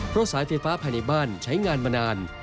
เพราะสายไฟฟ้าภายในบ้านใช้งานมานาน